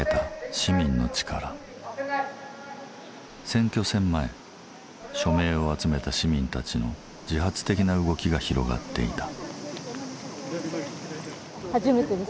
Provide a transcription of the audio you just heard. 選挙戦前署名を集めた市民たちの自発的な動きが広がっていた。